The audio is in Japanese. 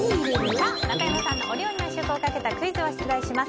中山さんのお料理の試食をかけたクイズを出題します。